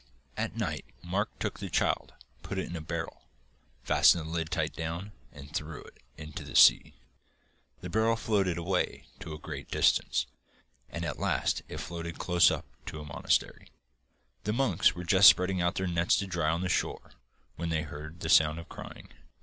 At night Mark took the child, put it in a barrel, fastened the lid tight down, and threw it into the sea. The barrel floated away to a great distance, and at last it floated close up to a monastery. The monks were just spreading out their nets to dry on the shore, when they heard the sound of crying.